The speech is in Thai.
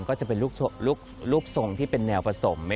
ก็จะเป็นรูปทรงที่เป็นแนวผสม